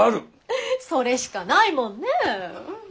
フッそれしかないもんね！